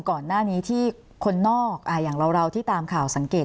ก่อนหน้านี้ที่คนนอกอย่างเราที่ตามข่าวสังเกต